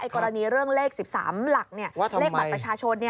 กรณีเรื่องเลข๑๓หลักเลขบัตรประชาชน